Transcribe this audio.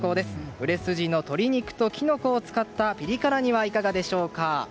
売れ筋の鶏肉とキノコを使ったピリ辛煮はいかがでしょうか。